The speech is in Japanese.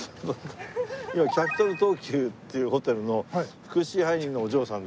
キャピトル東急っていうホテルの副支配人のお嬢さんで。